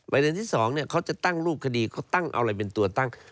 ประเด็นที่๒เขาจะตั้งรูปคดีเขาตั้งเอาอะไรเป็นตัวตั้ง